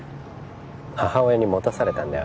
母親に持たされたんだよ